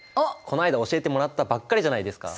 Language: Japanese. こないだ教えてもらったばっかりじゃないですか。